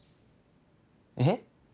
えっ？